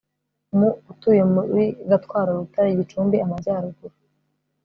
mu utuye muri Gatwaro Rutare GicumbiAmajyaruguru